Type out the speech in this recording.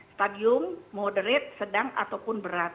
stadium moderate sedang ataupun berat